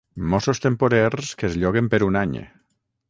Mossos temporers que es lloguen per un any.